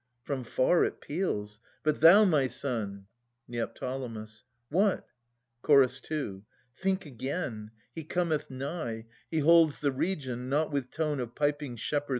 From far it peals. But thou, my son ! Neo. What? Ch. 2. Think again. He cometh nigh : He holds the region : not with tone Of piping shepherd!